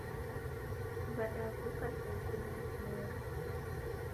Wadaw'uka saa ikumi na imweri